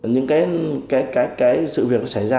những cái sự việc xảy ra